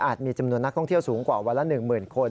มีจำนวนนักท่องเที่ยวสูงกว่าวันละ๑๐๐๐คน